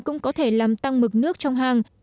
cũng có thể làm tăng mực nước trong hang